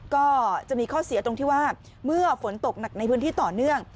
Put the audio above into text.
ก็จะมีข้อเสียตรงที่ว่าเมื่อฝนตกหนักในพื้นที่ต่อเนื่อง